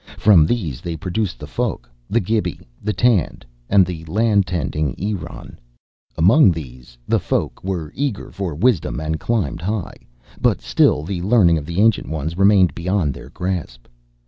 From these, they produced the Folk, the Gibi, the Tand, and the land tending Eron. "Among these, the Folk were eager for wisdom and climbed high. But still the learning of the Ancient Ones remained beyond their grasp.